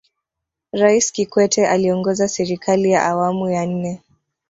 rais kikwete aliongoza serikali ya awamu ya nne